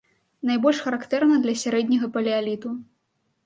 Найбольш характэрна для сярэдняга палеаліту.